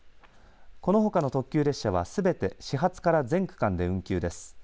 このほかの特急列車はすべて始発から全区間で運休です。